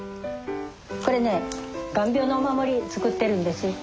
これね眼病のお守り作ってるんです。